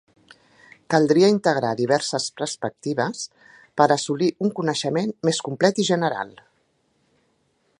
Caldria integrar diverses perspectives per assolir un coneixement més complet i general.